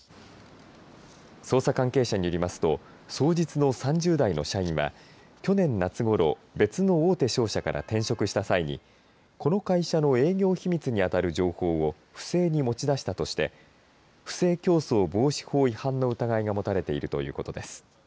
捜査関係者によりますと双日の３０代の社員は去年夏ごろ、別の大手商社から転職した際にこの会社の営業秘密に当たる情報を不正に持ち出したとして不正競争防止法違反の疑いが持たれているということです。